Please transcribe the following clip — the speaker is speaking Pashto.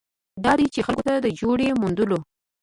دا ده چې خلکو ته د جوړې موندلو